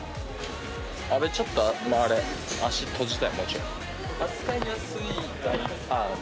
阿部、ちょっとあれ、足閉じたい、もうちょっと。